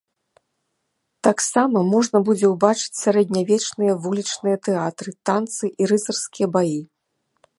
Таксама можна будзе убачыць сярэднявечныя вулічныя тэатры, танцы і рыцарскія баі.